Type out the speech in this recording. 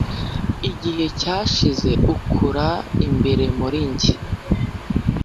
igihe cyashize ukura imbere muri njye